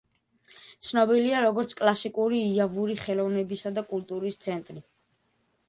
ცნობილია როგორც კლასიკური იავური ხელოვნებისა და კულტურის ცენტრი.